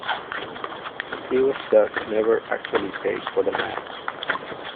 He was thus never actually paid for the map.